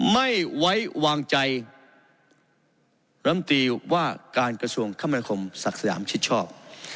ไม่ไว้วางใจรำตีว่าการกระทรวงคมนาคมศักดิ์สยามชิดชอบ